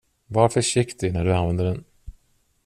Var försiktig när du använder den.